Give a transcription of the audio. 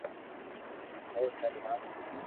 اوري ھر وات موني